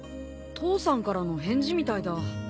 父さんからの返事みたいだ。